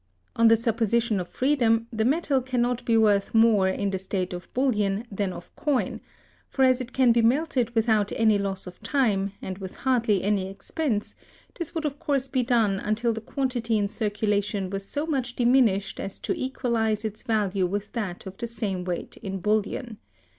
On the supposition of freedom, the metal can not be worth more in the state of bullion than of coin; for as it can be melted without any loss of time, and with hardly any expense, this would of course be done until the quantity in circulation was so much diminished as to equalize its value with that of the same weight in bullion.